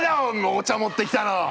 お茶持ってきたの！